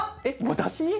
えっ私？